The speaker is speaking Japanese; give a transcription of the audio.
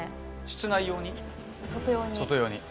室内用に？